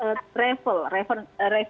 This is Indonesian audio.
ada yang namanya revenge travel